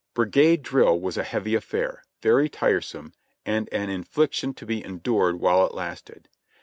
Brigade drill was a heavy affair, very tiresome, and an infliction to be endured while it lasted.